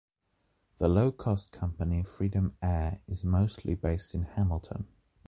The low-cost company Freedom Air is mostly based in Hamilton.